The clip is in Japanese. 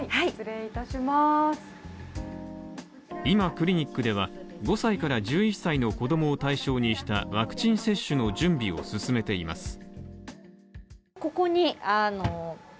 今クリニックでは、５歳から１１歳の子供を対象にしたワクチン接種の準備を進めています。